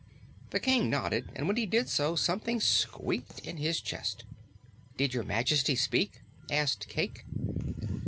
The King nodded, and when he did so, something squeaked in his chest. "Did Your Majesty speak?" asked Cayke.